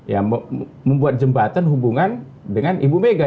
ya membuat jembatan hubungan dengan ibu mega